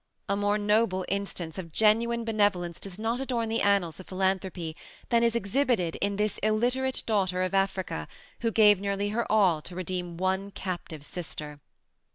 A more noble instance of genuine benevolence does not adorn the annals of philanthropy than is exhibited in this illiterate daughter of Africa, who gave nearly her all to redeem one captive sister.